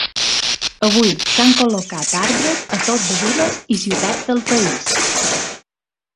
Avui s’han col·locat arbres a tot de viles i ciutats del país.